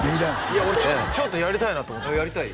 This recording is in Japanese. いや俺ちょっとやりたいなとあっやりたい？